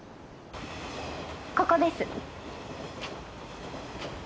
ここです。